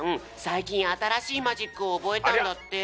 最近あたらしいマジックをおぼえたんだって。